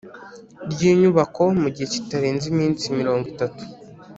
Ry inyubako mu gihe kitarenze iminsi mirongo itatu